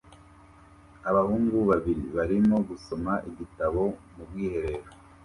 Abahungu babiri barimo gusoma igitabo mu bwiherero